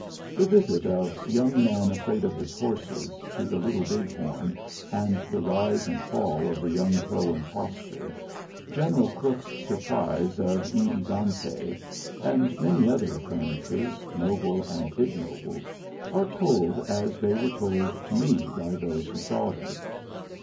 The visit of Young man afraid of his horses to the Little Big Horn and the rise and fall of the young Crow impostor, General Crook's surprise of E egante, and many other occurrences, noble and ignoble, are told as they were told to me by those who saw them.